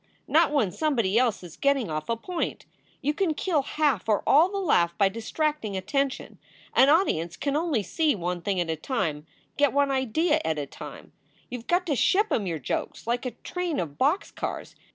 Not when somebody else is getting off a point. You can kill half or all the laugh by distracting attention. An audience can only see one thing at a time get one idea at a time. You ve got to ship em your jokes like a train of box cars.